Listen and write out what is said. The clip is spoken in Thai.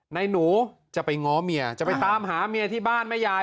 หนูจะไปง้อเมียจะไปตามหาเมียที่บ้านแม่ยาย